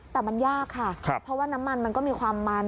แต่มันยากค่ะเพราะว่าน้ำมันมันก็มีความมัน